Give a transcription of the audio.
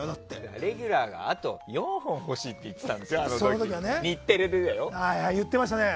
レギュラーがあと４本欲しいって言ってたんだよ言ってましたね。